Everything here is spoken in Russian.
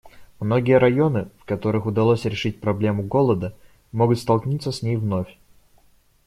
Многие районы, в которых удалось решить проблему голода, могут столкнуться с ней вновь.